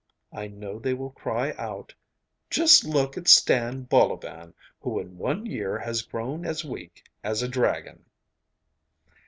I know that they will cry out, "Just look at Stan Bolovan, who in one year has grown as weak as a dragon."